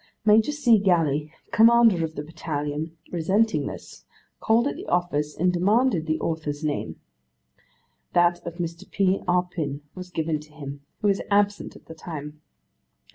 Major C. Gally, Commander of the battalion, resenting this, called at the office and demanded the author's name; that of Mr. P. Arpin was given to him, who was absent at the time.